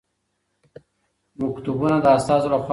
مکتوبونه د استازو لخوا وړل کیږي.